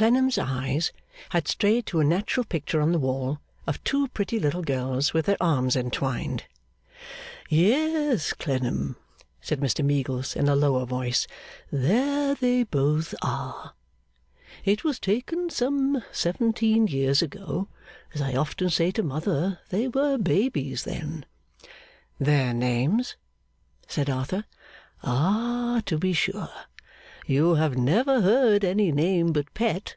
Clennam's eyes had strayed to a natural picture on the wall, of two pretty little girls with their arms entwined. 'Yes, Clennam,' said Mr Meagles, in a lower voice. 'There they both are. It was taken some seventeen years ago. As I often say to Mother, they were babies then.' 'Their names?' said Arthur. 'Ah, to be sure! You have never heard any name but Pet.